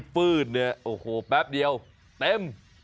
ฟืดแป๊บเดียวเต็ม